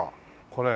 これ。